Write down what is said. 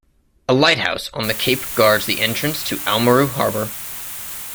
A lighthouse on the cape guards the entrance to Oamaru Harbour.